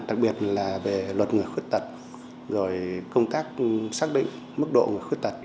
đặc biệt là về luật người khuyết tật rồi công tác xác định mức độ người khuyết tật